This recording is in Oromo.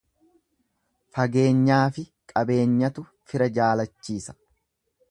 Fageenyaafi qabeenyatu fira jaalachiisa.